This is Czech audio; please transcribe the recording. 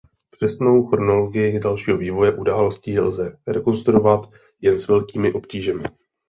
Přesnou chronologii dalšího vývoje událostí lze rekonstruovat jen s velkými obtížemi.